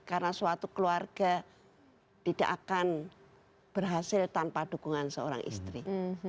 karena suatu keluarga tidak akan berhasil tanpa dukungan seorang istri